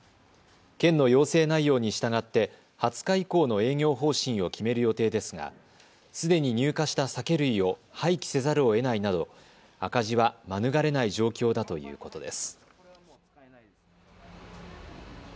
県の要請内容に従って２０日以降の営業方針を決める予定ですがすでに入荷した酒類を廃棄せざるをえないなど赤字は免れない状況だということです。